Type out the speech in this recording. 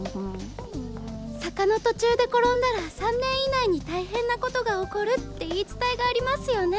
坂の途中で転んだら３年以内に大変なことが起こるって言い伝えがありますよね。